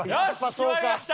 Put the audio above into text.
決まりました！